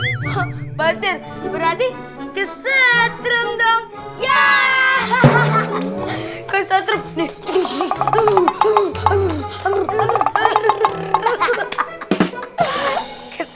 emang kamu doang yang punya sepatu sup